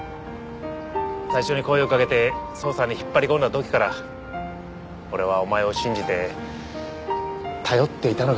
最初に声をかけて捜査に引っ張り込んだ時から俺はお前を信じて頼っていたのかもな。